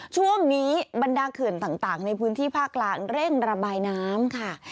บรรดาเขื่อนต่างในพื้นที่ภาคกลางเร่งระบายน้ำค่ะ